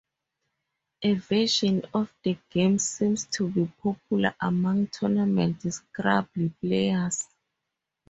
A version of the game seems to be popular among tournament Scrabble players.